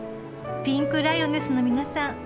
ピンクライオネスの皆さん